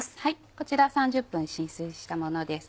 こちら３０分浸水したものです。